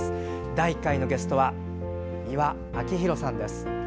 第１回のゲストは美輪明宏さんです。